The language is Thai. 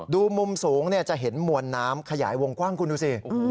ดูมุมสูงจะเห็นมวลน้ำขยายวงกว้างคุณดูสิ